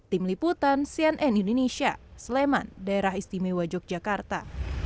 tim liputan cnn indonesia sleman daerah istimewa yogyakarta